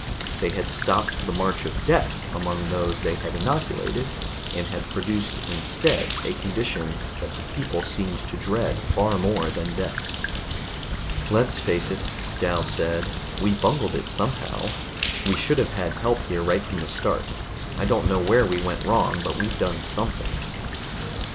They had stopped the march of death among those they had inoculated, and had produced instead a condition that the people seemed to dread far more than death. "Let's face it," Dal said, "we bungled it somehow. We should have had help here right from the start. I don't know where we went wrong, but we've done something."